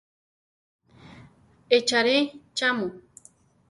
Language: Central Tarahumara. ¿Echáre cha mu?